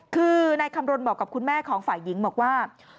คือนายคำรณบอกกับคุณแม่ของฝ่ายหญิงบอกว่า